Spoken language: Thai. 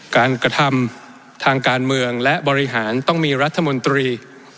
กระทำทางการเมืองและบริหารต้องมีรัฐมนตรี